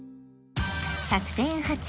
作戦８